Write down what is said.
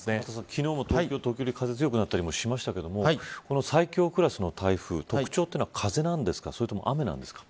昨日も東京は時折風が強くなったりしましたがこの最強クラスの台風特徴というのは風なんですか、雨なんですか。